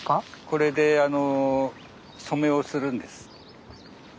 これで染めをするんです。